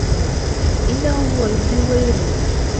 إِنَّهُ هُوَ يُبدِئُ وَيُعيدُ